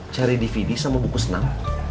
cari dvd sama buku senam